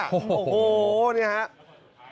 โหว้ววิศวะทั้งคู่มั้ย